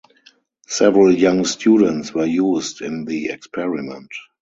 Several young students were used in the experiment.